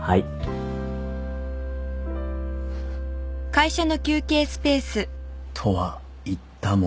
フフ。とは言ったものの。